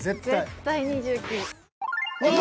絶対２９。